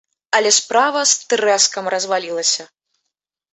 Але справа з трэскам развалілася!